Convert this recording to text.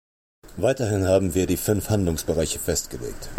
Weiterhin haben wir die fünf Handlungsbereiche festgelegt.